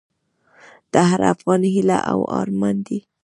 د هر افغان هیله او ارمان دی؛